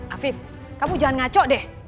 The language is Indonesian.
afif kamu jangan ngaco deh